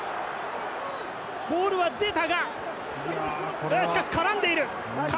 ボールは出たがしかし絡んでいる。